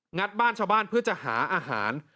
ัดบ้านชาวบ้านเพื่อจะหาอาหาร